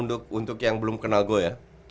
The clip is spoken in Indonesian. induk untuk yang belum kenal gue ya